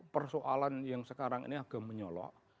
persoalan yang sekarang ini agak menyolok